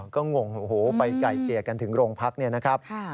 ก็งงโอ้โหไปไกลเกลี่ยกันถึงโรงพักเนี่ยนะครับ